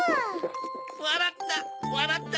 わらった！